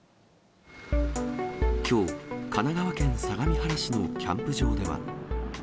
きょう、神奈川県相模原市のキャンプ場では。